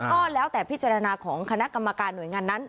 ก็แล้วแต่พิจารณาของคณะกรรมการหน่วยงานนั้น